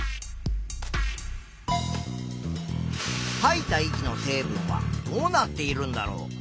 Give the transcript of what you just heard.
いた息の成分はどうなっているんだろう？